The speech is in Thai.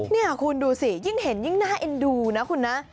นี่คุณดูสิยิ่งเห็นยิ่งน่าเอ็นดูนะคุณนะ